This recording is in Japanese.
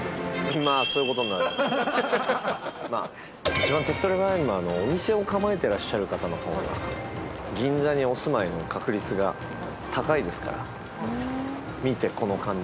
一番手っ取り早いのはお店を構えてらっしゃる方の方が銀座にお住まいの確率が高いですから。